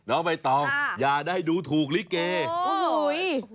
น้องใบตองอย่าได้ดูถูกลิเกโอ้โห